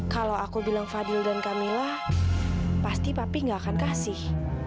kalau aku bilang fadil dan camillah pasti papi gak akan kasih